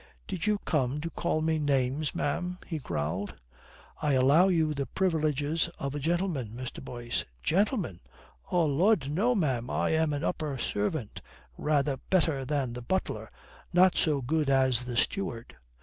"Did you come to call names, ma'am?" he growled. "I allow you the privileges of a gentleman, Mr. Boyce." "Gentleman? Oh Lud, no, ma'am. I am an upper servant. Rather better than the butler. Not so good as the steward."